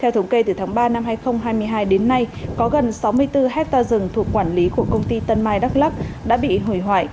theo thống kê từ tháng ba năm hai nghìn hai mươi hai đến nay có gần sáu mươi bốn hectare rừng thuộc quản lý của công ty tân mai đắk lắc đã bị hủy hoại